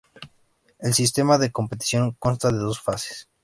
El sistema de competición consta de dos fases.